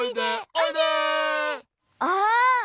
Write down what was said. ああ！